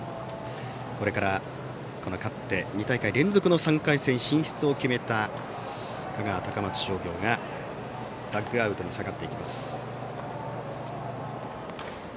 これから勝って２大会連続の３回戦進出を決めた香川・高松商業がダグアウトに下がっていきます。